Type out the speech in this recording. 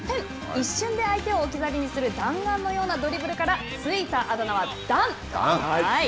一瞬で相手を置き去りにする弾丸のようなドリブルからついたあだ名は弾。